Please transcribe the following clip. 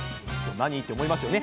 何？って思いますよね。